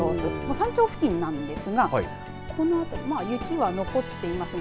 山頂付近なんですがこの辺り、雪が残っていますね。